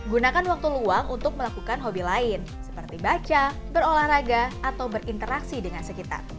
gunakan waktu luang untuk melakukan hobi lain seperti baca berolahraga atau berinteraksi dengan sekitar